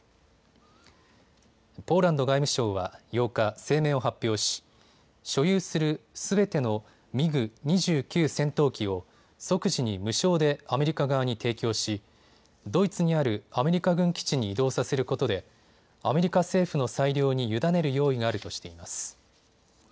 ポーランド外務省は８日、声明を発表し所有するすべてのミグ２９戦闘機を即時に無償でアメリカ側に提供し、ドイツにあるアメリカ軍基地に移動させることでアメリカ政府の裁量に委ねる用意があるとしています。